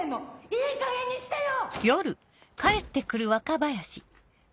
・・いいかげんにしてよ！